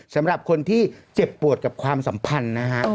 สำหรับคนที่เจ็บปวดกับความสัมพันธ์นะฮะ